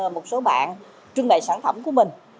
một số bạn trưng bày sản phẩm của mình